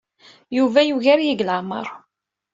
Yuba yugar-iyi deg leɛmeṛ.